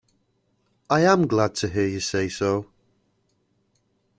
I am glad to hear you say so.